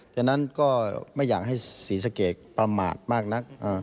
ฉะนั้นก็ไม่อยากให้ศรีสะเกดประมาทมากนัก